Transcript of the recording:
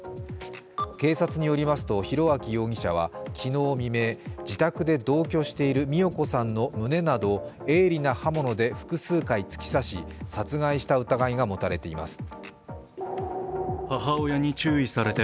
警察によりますと、裕昭容疑者は昨日未明、自宅で同居している美代子さんの胸など鋭利な刃物で複数回突き刺し殺害した疑いが持たれています。